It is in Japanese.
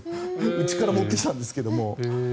うちから持ってきたんですけど。